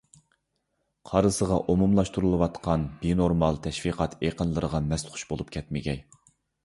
قارىسىغا ئومۇملاشتۇرۇلۇۋاتقان بىنورمال تەشۋىقات ئېقىنلىرىغا مەستخۇش بولۇپ كەتمىگەي.